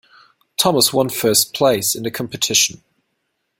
Thomas one first place in the competition.